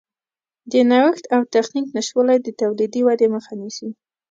د نوښت او تخنیک نشتوالی د تولیدي ودې مخه نیسي.